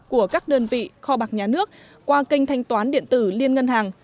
của các đơn vị kho bạc nhà nước qua kênh thanh toán điện tử liên ngân hàng